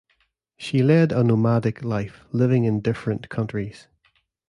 She led a nomadic life, living in different countries.